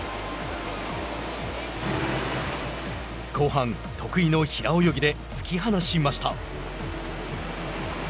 後半得意の平泳ぎで突き放しました。